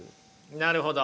なるほど。